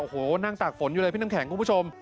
โอ้โหนั่งตากฝนอยู่เลยพี่น้ำแข็งคุณผู้ชม